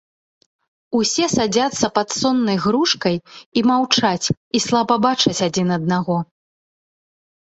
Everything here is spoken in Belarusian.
Усе садзяцца пад соннай грушкай і маўчаць і слаба бачаць адзін аднаго.